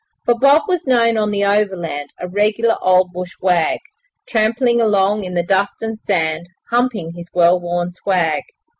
For Bob was known on the Overland, A regular old bush wag, Tramping along in the dust and sand, Humping his well worn swag.